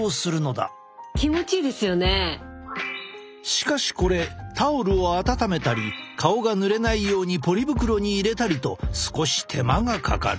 しかしこれタオルを温めたり顔がぬれないようにポリ袋に入れたりと少し手間がかかる。